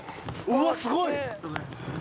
うわっすごい！